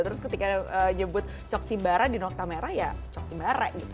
terus ketika nyebut coksibara di nokta merah ya coksibara gitu